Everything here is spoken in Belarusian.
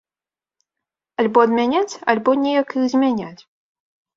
Альбо адмяняць, альбо неяк іх змяняць.